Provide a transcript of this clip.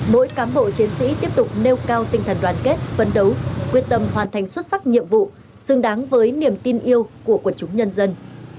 mỗi cán bộ chiến sĩ tiếp tục nêu cao tinh thần đoàn kết phấn đấu quyết tâm hoàn thành xuất sắc nhiệm vụ xứng đáng với niềm tin yêu của quần chúng nhân dân